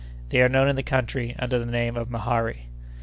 They are known in the country under the name of mehari.